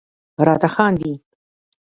راته خاندي..